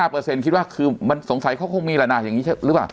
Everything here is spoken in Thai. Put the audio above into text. ๕เปอร์เซ็นต์คิดว่าคือมันสงสัยเขาคงมีละนะอย่างนี้ใช่หรือเปล่า